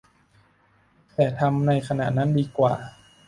แต่ทำในขณะนั้นดีกว่า